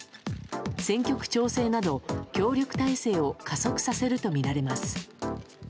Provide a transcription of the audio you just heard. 選挙区調整など協力体制を加速させるとみられます。